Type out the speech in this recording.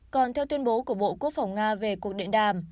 còn theo tuyên bố của bộ quốc phòng nga về cuộc điện đàm